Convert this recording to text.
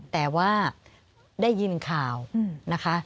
แต่ว่าได้ยินข่าวนะคะ